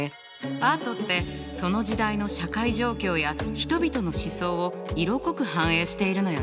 アートってその時代の社会状況や人々の思想を色濃く反映しているのよね。